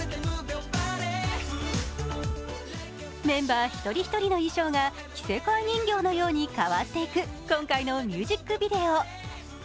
メンバー一人一人の衣装が着せ替え人形のように変わっていく今回のミュージックビデオ。